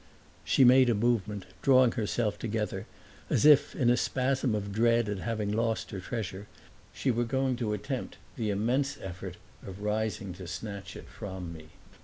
She made a movement, drawing herself together as if, in a spasm of dread at having lost her treasure, she were going to attempt the immense effort of rising to snatch it from me.